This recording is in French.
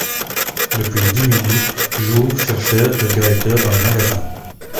Depuis dix minutes, Jouve cherchait le directeur dans les magasins.